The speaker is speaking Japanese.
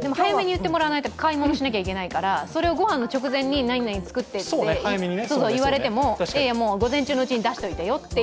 でも早めに言ってもらわないと買い物しないといけないからそれを御飯の直前になになにつくてって言われてもいやいや、午前中に出しておいてよと。